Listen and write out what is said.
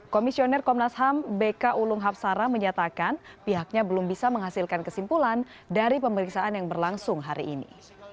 komisioner komnas ham bk ulung hapsara menyatakan pihaknya belum bisa menghasilkan kesimpulan dari pemeriksaan yang berlangsung hari ini